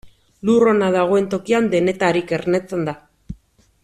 Lur ona dagoen tokian, denetarik ernetzen da.